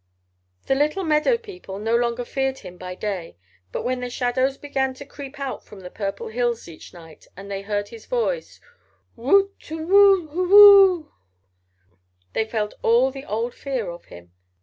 "The little meadow people no longer feared him by day, but when the shadows began to creep out from the Purple Hills each night and they heard his voice 'Whoo too whoo hoo hoo' they felt all the old fear of him.